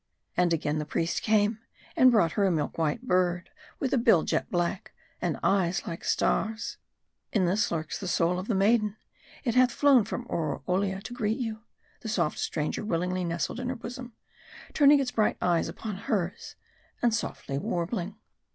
And again the priest came, and brought her a milk white bird, with a bill jet black, and eyes like stars. " In this, lurks the soul of a maiden ; it hath flown from Oroolia to greet you." The soft stranger willingly nestled in her bosom ; turning its bright eyes upon hers, and softly warbling.